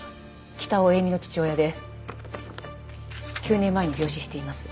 北尾映見の父親で９年前に病死しています。